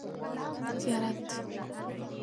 ـ زیارت.